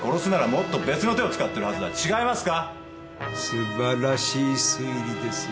素晴らしい推理です。